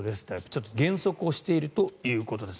ちょっと減速しているということです。